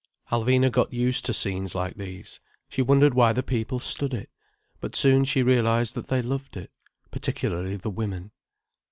Alvina got used to scenes like these. She wondered why the people stood it. But soon she realized that they loved it—particularly the women.